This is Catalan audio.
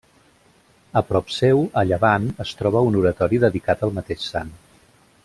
A prop seu, a llevant, es troba un oratori dedicat al mateix sant.